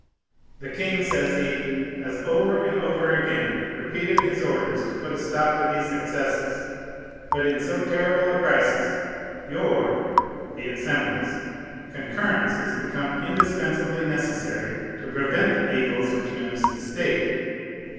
"The king," says he, "has over and over again repeated his orders to put a stop to these excesses; but in so terrible a crisis, your [the Assembly's] concurrence is become indispensably necessary to prevent the evils which menace the state.